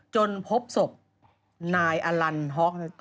จนพบศพนายอลันท์ฮอค